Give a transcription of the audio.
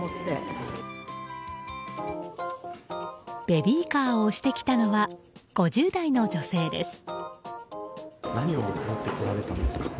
ベビーカーを押してきたのは５０代の女性です。